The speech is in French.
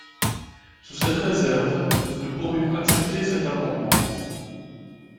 Sous cette réserve, nous pourrions accepter cet amendement.